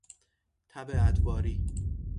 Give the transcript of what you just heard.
تب ادواری